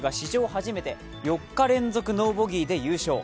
初めて４日連続ノーボギーで優勝。